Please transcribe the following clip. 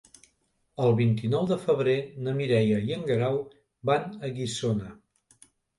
El vint-i-nou de febrer na Mireia i en Guerau van a Guissona.